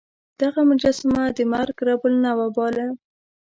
دغه مجسمه د مرګ رب النوع باله.